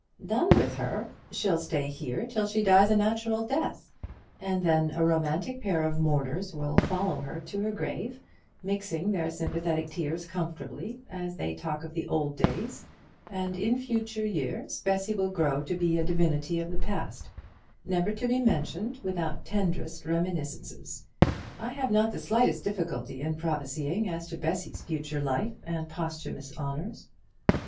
"Done with her! She'll stay here till she dies a natural death, and then a romantic pair of mourners will follow her to her grave, mixing their sympathetic tears comfortably as they talk of the old days; and in future years, Bessy will grow to be a divinity of the past, never to be mentioned without tenderest reminiscences. I have not the slightest difficulty in prophesying as to Bessy's future life and posthumous honours."